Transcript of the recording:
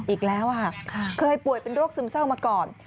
อีกแล้วเคยป่วยเป็นโรคซึมเศร้ามาก่อน